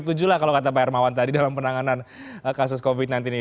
nilainya enam sampai tujuh lah kalau kata pak irmawan tadi dalam penanganan kasus covid nanti ini